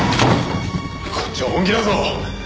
こっちは本気だぞ。